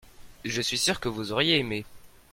je suis sûr que vous auriez aimé.